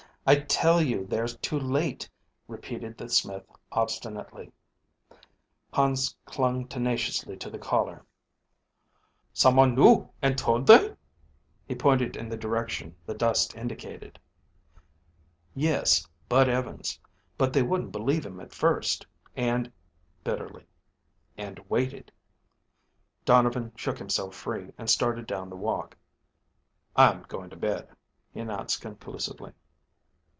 I tell you they're too late," repeated the smith, obstinately. Hans clung tenaciously to the collar. "Some one knew and told them?" He pointed in the direction the dust indicated. "Yes, Bud Evans; but they wouldn't believe him at first, and" bitterly "and waited." Donovan shook himself free, and started down the walk. "I'm going to bed," he announced conclusively.